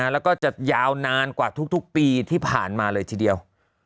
แล้วก็จะยาวนานกว่าทุกปีที่ผ่านมาเลยทีเดียว